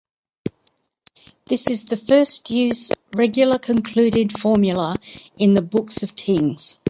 This is the first use regular concluding formula in the books of Kings.